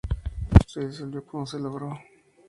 Se disolvió cuando se logró.